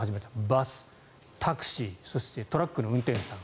バス、タクシーそしてトラックの運転手さん